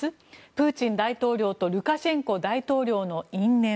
プーチン大統領とルカシェンコ大統領の因縁。